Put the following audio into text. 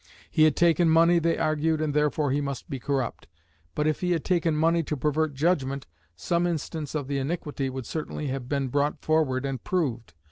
He had taken money, they argued, and therefore he must be corrupt; but if he had taken money to pervert judgment, some instance of the iniquity would certainly have been brought forward and proved.